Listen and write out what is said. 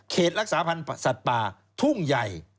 รักษาพันธ์สัตว์ป่าทุ่งใหญ่